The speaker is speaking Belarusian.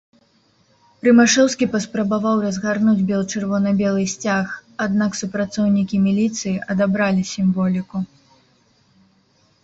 Рымашэўскі паспрабаваў разгарнуць бел-чырвона-белы сцяг, аднак супрацоўнікі міліцыі адабралі сімволіку.